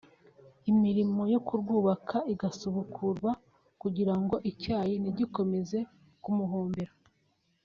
imirmo yo kurwubaka igasubukurwa kugira ngo icyayi ntigikomeze kumuhombera